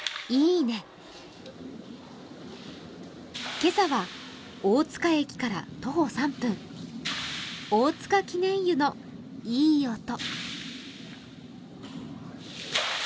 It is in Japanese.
今朝は大塚駅から徒歩３分、大塚記念湯のいい音。